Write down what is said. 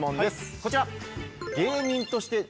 こちら。